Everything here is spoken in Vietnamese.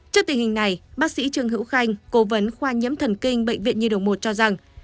trước tình hình này bác sĩ trương hữu khanh cố vấn khoa nhiễm thần kinh bệnh viện nhi đồng một cho rằng